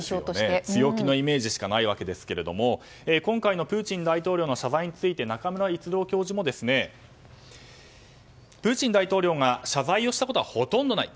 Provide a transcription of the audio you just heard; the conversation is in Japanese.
強気のイメージしかないわけですが今回のプーチン大統領の謝罪について中村逸郎教授もプーチン大統領が謝罪をしたことはほとんどない。